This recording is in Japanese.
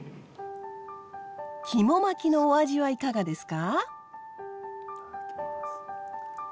肝巻きのお味はいかがですか？